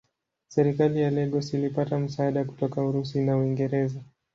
Serikali ya Lagos ilipata msaada kutoka Urusi na Uingereza.